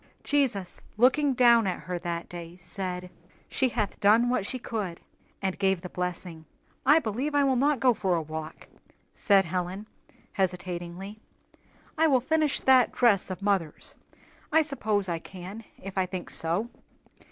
Jesus, looking down at her that day, said, "She hath done what she could," and gave the blessing. "I believe I will not go for a walk," said Helen, hesitatingly. "I will finish that dress of mother's; I suppose I can if I think so."